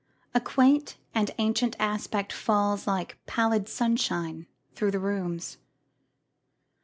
A quaint and ancient aspect falls Like pallid sunshine through the rooms.